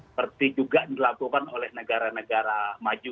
seperti juga dilakukan oleh negara negara maju